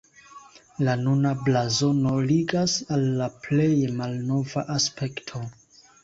La nuna blazono ligas al la plej malnova aspekto.